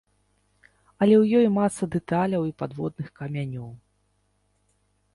Але ў ёй маса дэталяў і падводных камянёў.